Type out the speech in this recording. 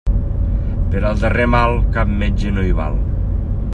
Per al darrer mal, cap metge no hi val.